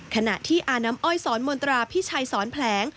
ขณะที่อาน้ำอ้อยสอนมนตราพิชัยสอนแผลง